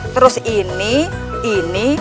terus ini ini